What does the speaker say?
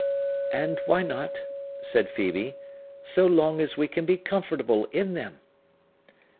"And why not," said Phœbe, "so long as we can be comfortable in them?"